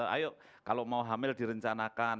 ayo kalau mau hamil direncanakan